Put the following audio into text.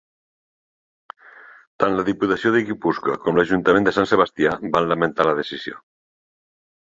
Tant la Diputació de Guipúscoa com l'Ajuntament de Sant Sebastià van lamentar la decisió.